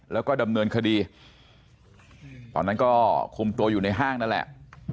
แล้วก็ดำเนินคดีตอนนั้นก็คุมตัวอยู่ในห้างนั่นแหละ